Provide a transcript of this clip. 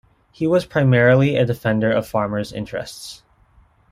He was primarily a defender of farmer's interests.